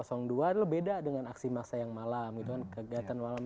adalah beda dengan aksi masa yang malam itu kan kegiatan malam